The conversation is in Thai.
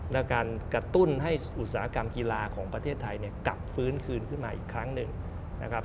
และการกระตุ้นให้อุตสาหกรรมกีฬาของประเทศไทยเนี่ยกลับฟื้นคืนขึ้นมาอีกครั้งหนึ่งนะครับ